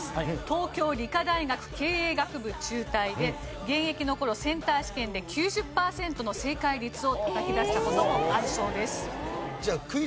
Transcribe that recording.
東京理科大学経営学部中退で現役の頃センター試験で９０パーセントの正解率をたたき出した事もあるそうです。